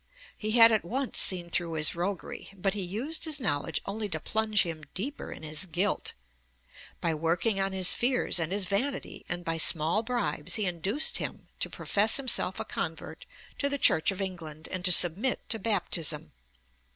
He had at once seen through his roguery, but he used his knowledge only to plunge him deeper in his guilt. By working on his fears and his vanity and by small bribes he induced him to profess himself a convert to the Church of England and to submit to baptism (p.